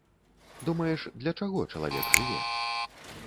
Думаеш, для чаго чалавек жыве?